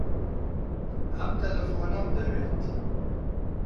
ئەم تەلەفۆنەم دەوێت.